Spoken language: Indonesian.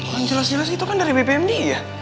kan jelas jelas itu kan dari bbmd ya